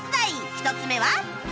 １つ目は